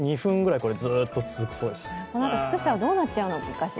このあと靴下はどうなっちゃうのかしら。